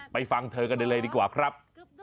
ฟังเธอกันได้เลยดีกว่าครับ